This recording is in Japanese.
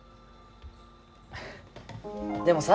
でもさ。